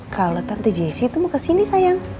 kalau tante jc itu mau kesini sayang